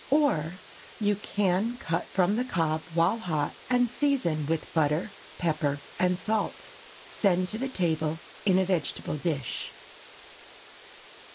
Or, you can cut from the cob while hot, and season with butter, pepper and salt. Send to table in a vegetable dish.